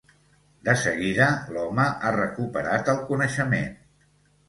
De seguida, l’home ha recuperat el coneixement.